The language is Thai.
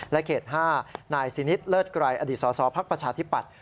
และเขตห้านายสินิศเลิศกรายอดีตสอสอพักประชาธิปัตย์